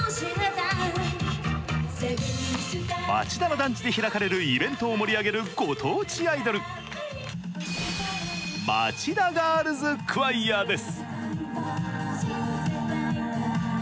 団地で開かれるイベントを盛り上げるご当地アイドル、まちだガールズ・クワイアです。